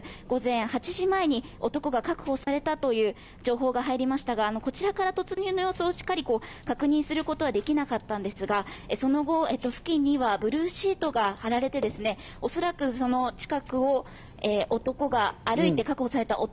午前８時前に男が確保されたという情報が入りましたが、こちらから突入の様子をしっかり確認することはできなかったんですが、その後、付近にはブルーシートが張られておそらく近くを男が歩いて確保された。